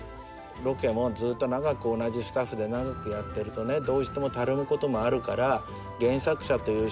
「ロケもずっと長く同じスタッフで長くやってるとどうしてもたるむこともあるから」